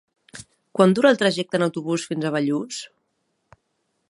Quant dura el trajecte en autobús fins a Bellús?